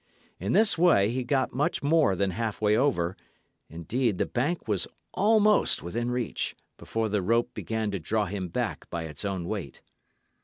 In this way he got much more than halfway over; indeed the bank was almost within reach, before the rope began to draw him back by its own weight.